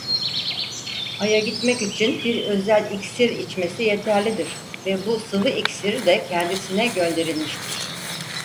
Aya gitmek için bir özel iksir içmesi yeterlidir ve bu sıvı iksir de kendisine gönderilmiştir.